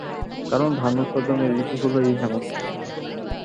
কারণ, ধান উৎপাদনের ঋতু হলো এই হেমন্ত।